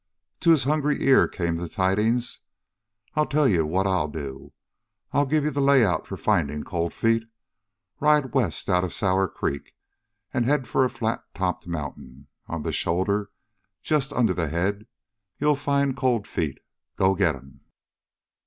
To his hungry ear came the tidings: "I'll tell you what I'll do. I'll give you the layout for finding Cold Feet. Ride west out of Sour Creek and head for a flat topped mountain. On the shoulder just under the head you'll find Cold Feet. Go get him!"